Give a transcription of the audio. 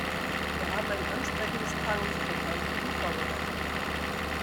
Wir haben ein ansprechendes Tagungsprogramm für Sie vorbereitet.